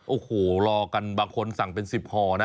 โอ้โหรอกันบางคนสั่งเป็น๑๐ห่อนะ